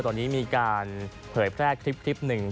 ตอนนี้มีการนี้มีการเผยแพลกคลิปหนึ่ง